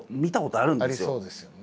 ありそうですよね。